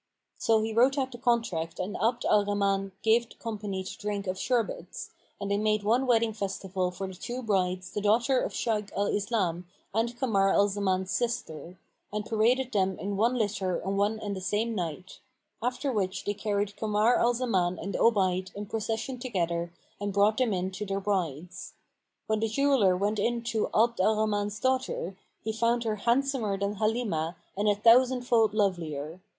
So he wrote out the contract and Abd al Rahman gave the company to drink of sherbets, and they made one wedding festival for the two brides the daughter of the Shaykh al Islam and Kamar al Zaman's sister; and paraded them in one litter on one and the same night; after which they carried Kamar al Zaman and Obayd in procession together and brought them in to their brides.[FN#472] When the jeweller went in to Abd al Rahman's daughter, he found her handsomer than Halimah and a thousand fold lovelier.